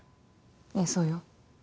ええそうよ。